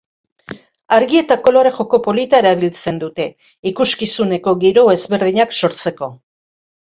Argi eta kolore joko polita erabiltzen dute, ikuskizuneko giro ezberdinak sortzeko.